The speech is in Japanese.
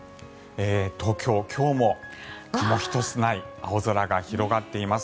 東京、今日も雲一つない青空が広がっています。